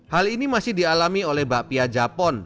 hal ini masih dialami oleh bakpia japon